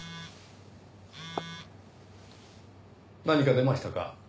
何か出ましたか？